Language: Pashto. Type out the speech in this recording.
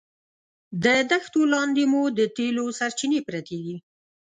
د دښتو لاندې مو د تېلو سرچینې پرتې دي.